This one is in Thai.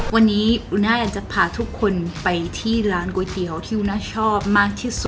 วันนี้อูน่าแอนจะพาทุกคนไปที่ร้านก๋วยเตี๋ยวที่อูน่าชอบมากที่สุด